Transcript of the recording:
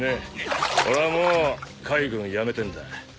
俺はもう海軍辞めてんだ。